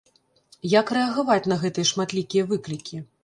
Як рэагаваць на гэтыя шматлікія выклікі?